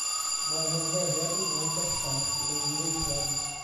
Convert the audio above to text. Mae'r arferiad yma, bellach, yn anghyfreithlon.